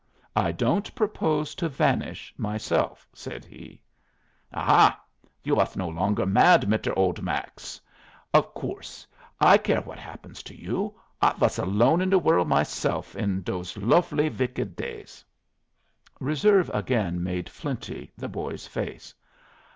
"I don't propose to vanish, myself," said he. "Ah ha! you was no longer mad mit der old Max! Of coorse I care what happens to you. I was alone in the world myself in those lofely wicked days." Reserve again made flinty the boy's face.